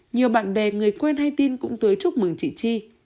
nhiều bạn bè người quen hay tin cũng tới chúc mừng chị chi